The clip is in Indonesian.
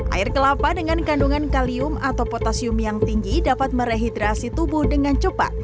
air kelapa dengan kandungan kalium atau potasium yang tinggi dapat merehidrasi tubuh dengan cepat